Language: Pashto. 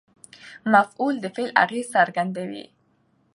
مفعول د فعل اغېز څرګندوي.